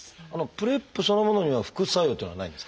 ＰｒＥＰそのものには副作用っていうのはないんですか？